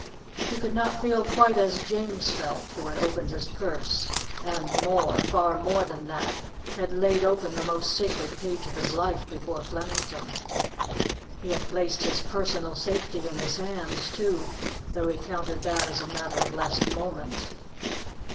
He could not feel quite as James felt, who had opened his purse, and, more far more than that had laid open the most sacred page of his life before Flemington. He had placed his personal safety in his hands, too, though he counted that as a matter of less moment.